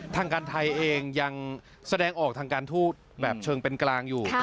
ทางการไทยเองยังแสดงออกทางการทูตแบบเชิงเป็นกลางอยู่